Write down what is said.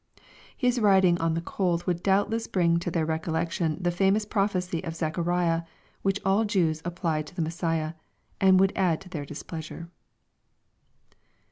Hia riding on the colt would doubtless bring to their recollection the famous prophecy of Zechariah, which all Jews applied to the Mes siah, and would add to their displeasure.